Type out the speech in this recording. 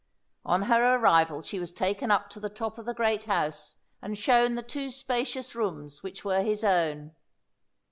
On her arrival she was taken up to the top of the great house, and shown the two spacious rooms which were his own.